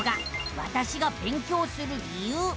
「わたしが勉強する理由」。